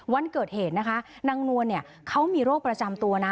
วันเกิดเหตุนะคะนางนวลเนี่ยเขามีโรคประจำตัวนะ